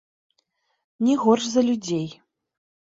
Не горш за людзей.